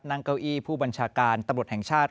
นั่งเก้าอี้ผู้บัญชาการตำรวจแห่งชาติ